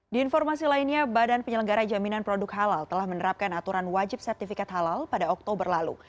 di informasi lainnya badan penyelenggara jaminan produk halal telah menerapkan aturan wajib sertifikat halal pada oktober lalu